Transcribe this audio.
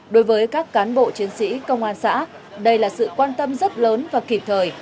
đối với các cán bộ chiến sĩ công an xã đây là sự quan tâm rất lớn và kịp thời